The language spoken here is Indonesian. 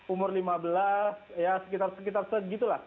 umur lima belas ya sekitar segitulah